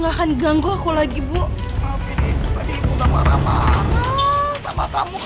sekarang kamu jualan aja lagi